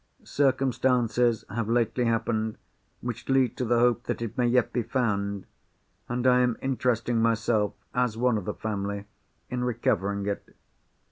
Circumstances have lately happened which lead to the hope that it may yet be found—and I am interesting myself, as one of the family, in recovering it.